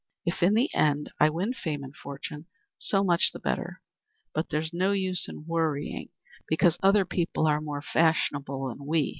If, in the end, I win fame and fortune, so much the better. But there's no use in worrying because other people are more fashionable than we."